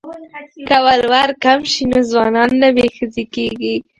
که ولور کم شي نو ځوانان نه بې ښځې کیږي.